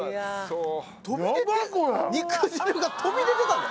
飛び出て肉汁が飛び出てたで